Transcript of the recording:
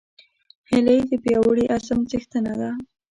هیلۍ د پیاوړي عزم څښتنه ده